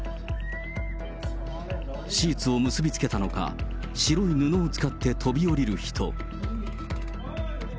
シーツを結び付けたのか、白い布を使って飛び降りる人。